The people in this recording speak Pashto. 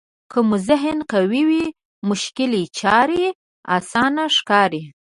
که مو ذهن قوي وي مشکلې چارې اسانه ښکاري.